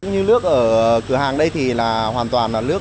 như nước ở cửa hàng đây thì là hoàn toàn là nước